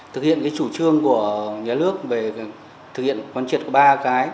thực hiện cái chủ trương của nhà nước về thực hiện quan triệt có ba cái